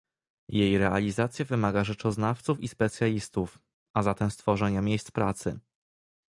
Jej realizacja wymaga rzeczoznawców i specjalistów, a zatem stworzenia miejsc pracy